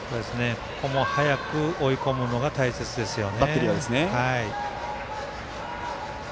早く追い込むのが大切ですね。